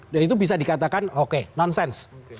dan itu bisa dikatakan oke nonsens